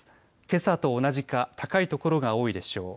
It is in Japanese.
けさと同じか高い所が多いでしょう。